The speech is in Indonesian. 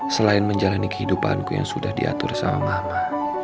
selain menjalani kehidupanku yang sudah diatur sama mama